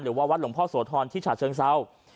หรือว่าวัดหลวงพ่อโสธรที่ฉาชเชิงเซา